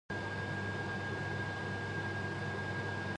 The primary feathers are tipped with black.